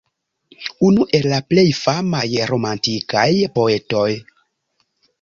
Unu el la plej famaj romantikaj poetoj.